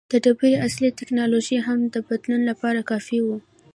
د ډبرې عصر ټکنالوژي هم د بدلون لپاره کافي وه.